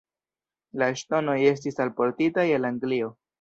La ŝtonoj estis alportitaj el Anglio.